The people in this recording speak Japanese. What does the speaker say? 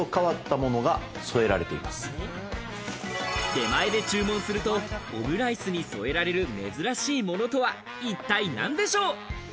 出前で注文すると、オムライスに添えられる珍しいものとは一体何でしょう？